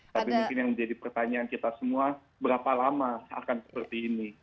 tapi mungkin yang menjadi pertanyaan kita semua berapa lama akan seperti ini